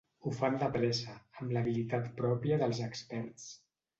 Ho fan de pressa, amb l'habilitat pròpia dels experts.